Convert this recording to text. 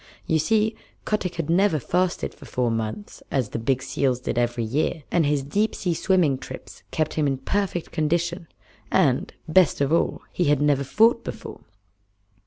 You see, Kotick had never fasted for four months as the big seals did every year, and his deep sea swimming trips kept him in perfect condition, and, best of all, he had never fought before.